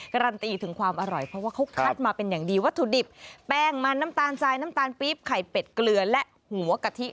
การันตีถึงความอร่อยเพราะว่าเขาคัดมาเป็นอย่างดีวัตถุดิบแป้งมันน้ำตาลทรายน้ำตาลปี๊บไข่เป็ดเกลือและหัวกะทิ